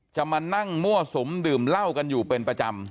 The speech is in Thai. จะมานั่งมั่วสุมดื่มเหล้ากันอยู่เป็นประจำ